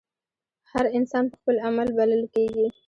هر انسان پۀ خپل عمل بللے کيږي